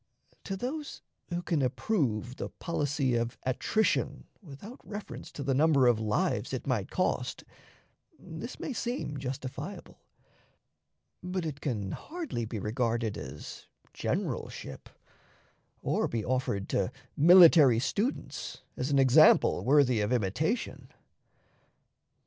To those who can approve the policy of attrition without reference to the number of lives it might cost, this may seem justifiable, but it can hardly be regarded as generalship, or be offered to military students as an example worthy of imitation.